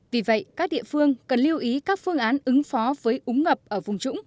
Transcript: vì vậy các địa phương cần lưu ý các phương án ứng phó với úng ngập ở vùng trũng